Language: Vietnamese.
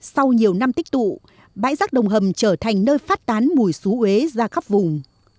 sau nhiều năm tích tụ bãi rác đồng hầm trở thành nơi phát tán mùi xứ huế ra khắp vùng